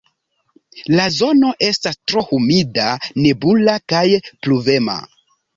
La zono estas tro humida, nebula kaj pluvema.